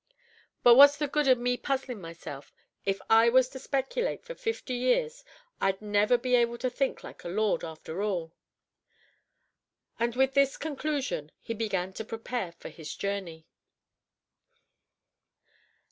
But what's the good o' me puzzlin' myself? If I was to speculate for fifty years, I 'd never be able to think like a lord, after all!" And with this conclusion he began to prepare for his journey.